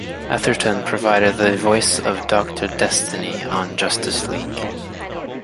Atherton provided the voice of Doctor Destiny on "Justice League".